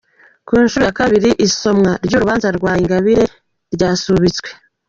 Ku nshuro ya kabiri isomwa ry’urubanza rwa Ingabire ryasubitswe